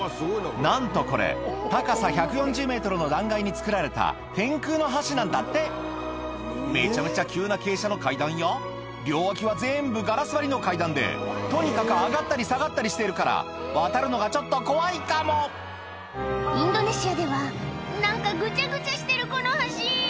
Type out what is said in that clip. なんとこれ高さ１４０ｍの断崖に造られた天空の橋なんだってめちゃめちゃ急な傾斜の階段や両脇は全部ガラス張りの階段でとにかく上がったり下がったりしているから渡るのがちょっと怖いかもインドネシアでは何かぐちゃぐちゃしてるこの橋！